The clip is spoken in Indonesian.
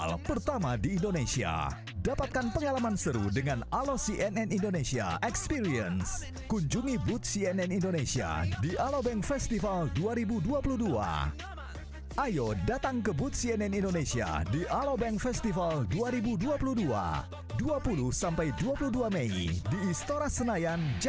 oh lihat ini